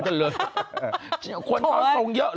คนมีร่างทรงเหอะ